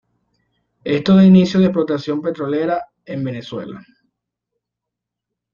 Esto da el inicio de explotación petrolera en Venezuela.